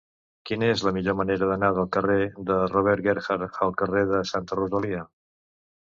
Quina és la millor manera d'anar del carrer de Robert Gerhard al carrer de Santa Rosalia?